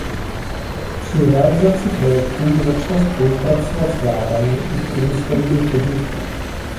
Při realizaci projektů začal spolupracovat s vládami i průmyslovými podniky.